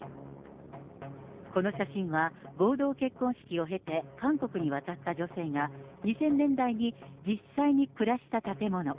この写真は合同結婚式を経て、韓国に渡った女性が、２０００年代に、実際に暮らした建物。